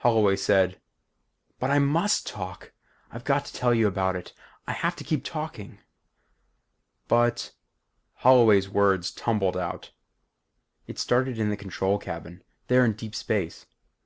Holloway said, "But, I must talk! I've got to tell you about it. I have to keep talking." "But " Holloway's words tumbled out. "It started in the control cabin there in deep space.